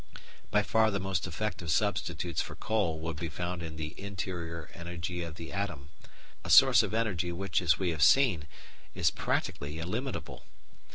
By far the most effective substitutes for coal would be found in the interior energy of the atom, a source of energy which, as we have seen, is practically illimitable.